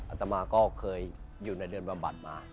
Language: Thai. อาตมาก็เคยอยู่ในเรือนบำบัดมา